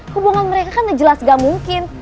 hubungan mereka kan jelas gak mungkin